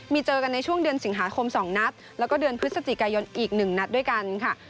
มีเจอกันในช่วงเดือนสิงหาคม๒นัดแล้วก็เดือนพฤศจิกายนอีก๑นัดด้วยกันค่ะ